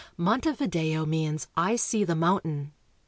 Montevideo means " I see the mountain."